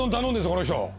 この人。